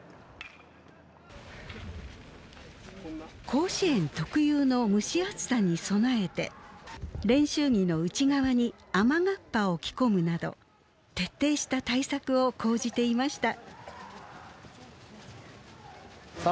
甲子園特有の蒸し暑さに備えて練習着の内側に雨がっぱを着込むなど徹底した対策を講じていました。